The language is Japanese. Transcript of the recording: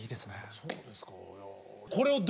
そうですか？